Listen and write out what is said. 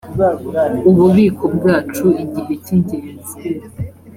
ububiko bwacu igihe cy ingenzi